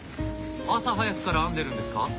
朝早くから編んでるんですか？